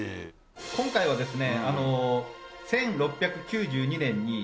今回はですね。